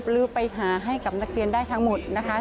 หรือไปหาให้กับนักเรียนได้ทั้งหมดนะคะ